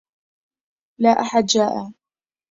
لا أحد جائع.